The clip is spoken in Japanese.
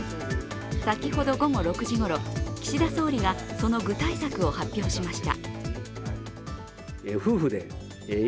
先ほど午後６時ごろ岸田総理がその具体策を発表しました。